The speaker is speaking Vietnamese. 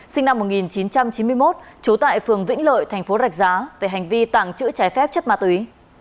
sinh năm một nghìn chín trăm chín mươi một trú tại phường vĩnh lợi tp rạch giá về hành vi tặng chữ trái phép chất ma túy